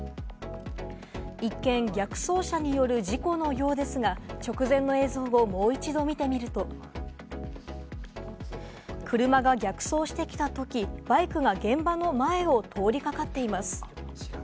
一見、逆走車による事故のようですが、直前の映像をもう一度見てみると、車が逆走してきたとき、バイクが現場の前を通りかかっています。